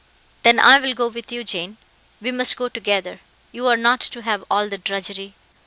"Then I will go with you, Jane; we must go together; you are not to have all the drudgery."